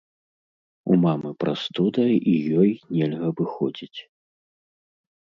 У мамы прастуда і ёй нельга выходзіць.